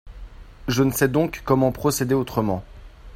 Je ne sais donc comment procéder autrement.